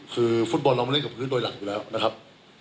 คือฟุตบอลเรามาเล่นกับพื้นโดยหลักอยู่แล้วนะครับ